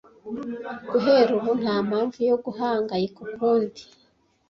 Guhera ubu, nta mpamvu yo guhangayika ukundi.